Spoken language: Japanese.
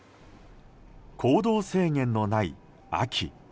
行動制限のない秋。